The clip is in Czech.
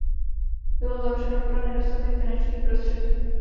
Bylo uzavřeno pro nedostatek finančních prostředků.